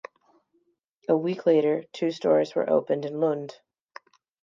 A week later, two stores were opened in Lund.